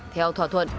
theo thỏa thuận